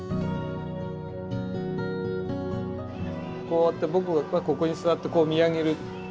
こうやって僕がここに座って見上げる。